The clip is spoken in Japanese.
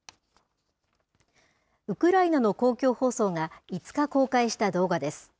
ウクライナの公共放送が５日公開した動画です。